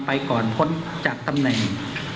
ไปก่อนพ้นจากตำแหน่ง